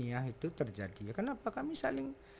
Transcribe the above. ya itu terjadi karena kami saling